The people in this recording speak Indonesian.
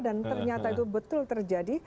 dan ternyata itu betul terjadi